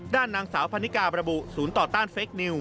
ด้านนางสาวพันนิกาประบุศูนย์ต่อต้านเฟคนิว